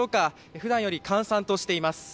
普段より閑散としています。